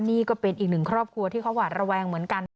นี่ก็เป็นอีกหนึ่งครอบครัวที่เขาหวาดระแวงเหมือนกัน